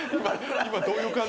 今どういう感情？